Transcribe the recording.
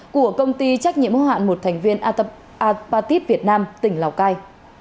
của công ty trách nhiệm hô hạn một thành viên apatit việt nam tỉnh lào cai